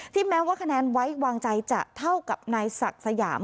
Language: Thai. แม้ว่าคะแนนไว้วางใจจะเท่ากับนายศักดิ์สยาม